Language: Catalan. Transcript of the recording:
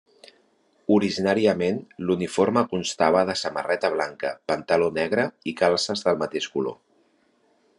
Originàriament l'uniforme constava de samarreta blanca, pantaló negre i calces del mateix color.